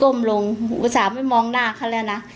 ลงอุตส่าห์ไม่มองหน้าเขาแล้วนะ